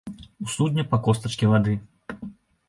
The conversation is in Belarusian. У судне па костачкі вады.